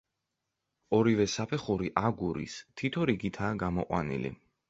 ორივე საფეხური აგურის, თითო რიგითაა გამოყვანილი.